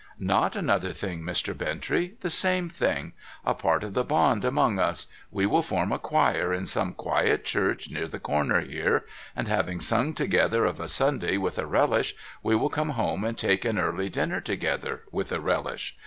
* Not another thing, Mr. Bintrey ! The same thing. A part of the bond among us. We will form a Choir in some quiet church near the Corner here, and, having sung together of a Sunday with a relish, we will come home and take an early dinner together w^ith a relish.